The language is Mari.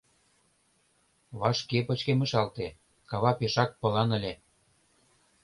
Вашке пычкемышалте — кава пешак пылан ыле.